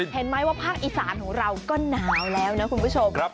เห็นไหมว่าภาคอีสานของเราก็หนาวแล้วนะคุณผู้ชม